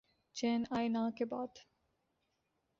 چین آئے نہ کے بعد